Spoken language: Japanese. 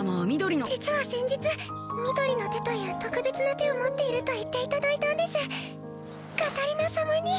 実は先日緑の手という特別な手を持っていると言っていただいたんですカタリナ様に。